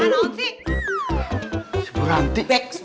aduh si buranti